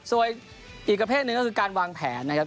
ส่วนอีกประเภทหนึ่งก็คือการวางแผนนะครับ